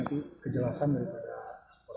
kita akan menelanjakan sumber daya di posko